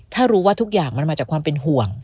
ถ้ารู้ว่าทุกอย่างมันมาจากความเป็นห่วง